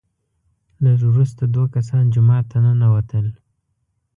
لږ وروسته دوه کسان جومات ته ننوتل،